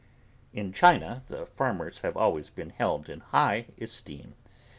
In China the farmers have always been held in high esteem.